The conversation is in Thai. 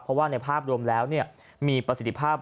เพราะว่าในภาพรวมแล้วมีประสิทธิภาพ